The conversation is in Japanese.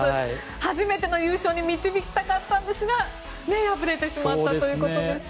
初めての優勝に導きたかったんですが敗れてしまったということですね。